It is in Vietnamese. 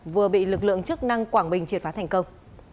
vừa bị lực lượng chức năng quảng bình triệt phá thành công